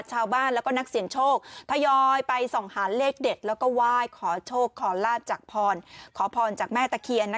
ชาวบ้านแล้วก็นักเสี่ยงโชคทยอยไปส่องหาเลขเด็ดแล้วก็ไหว้ขอโชคขอลาบจากพรขอพรจากแม่ตะเคียน